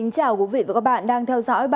cảm ơn các bạn đã theo dõi